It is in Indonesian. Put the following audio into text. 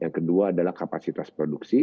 yang kedua adalah kapasitas produksi